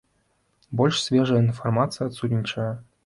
Больш свежая інфармацыя адсутнічае.